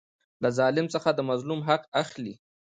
له ظالم څخه د مظلوم حق اخلي.